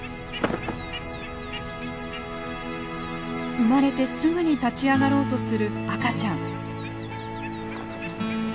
生まれてすぐに立ち上がろうとする赤ちゃん。